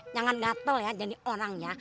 jangan gatel ya jadi orang ya